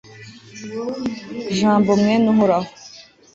jambo mwen'uhoraho